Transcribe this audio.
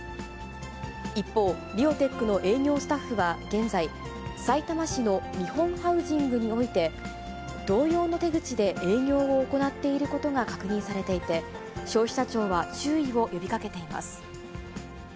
一方、リオテックの営業スタッフは現在、さいたま市の日本ハウジングにおいて、同様の手口で営業を行っていることが確認されていて、消費者庁は注意を呼びかけています。